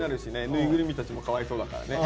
ぬいぐるみたちもかわいそうだからね。